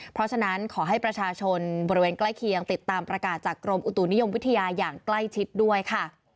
เพราะฉะนั้นขอให้ประชาชนบริเวณใกล้เคียงติดตามประกาศจากกรมอุตุนิยมวิทยาอย่างใกล้ชิดด้วยค่ะ